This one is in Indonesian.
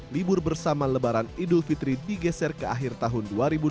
libur bersama lebaran idul fitri digeser ke akhir tahun dua ribu dua puluh